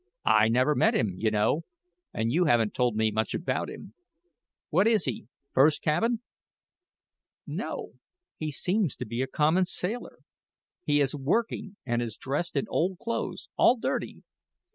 I never met him, you know, and you haven't told me much about him. What is he first cabin?" "No, he seems to be a common sailor; he is working, and is dressed in old clothes all dirty.